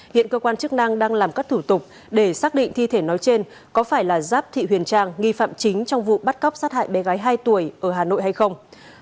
hiện cơ quan chức năng đang làm các thủ tục để xác định thi thể nói trên có phải là giáp thị huyền trang nghi phạm chính trong vụ bắt cóc sát hại bé gái hai tuổi ở hà nội hay không